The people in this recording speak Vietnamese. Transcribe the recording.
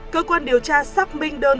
cơ quan điều tra xác minh đơn